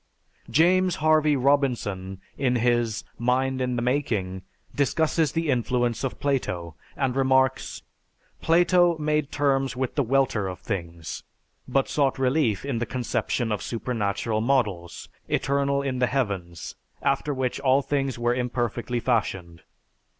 James Harvey Robinson, in his "Mind in The Making," discusses the influence of Plato, and remarks, "Plato made terms with the welter of things, but sought relief in the conception of supernal models, eternal in the heavens, after which all things were imperfectly fashioned.